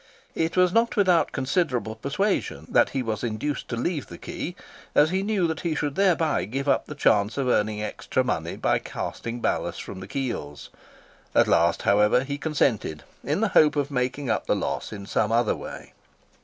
It was not without considerable persuasion that he was induced to leave the Quay, as he knew that he should thereby give up the chance of earning extra money by casting ballast from the keels. At last, however, he consented, in the hope of making up the loss in some other way.